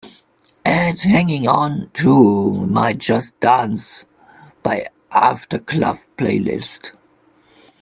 Add Hanging On to my just dance by aftercluv playlist.